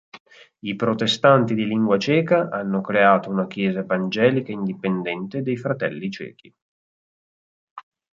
I protestanti di lingua ceca hanno creato una chiesa evangelica indipendente dei fratelli cechi.